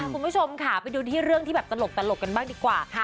คุณผู้ชมค่ะไปดูที่เรื่องที่แบบตลกกันบ้างดีกว่า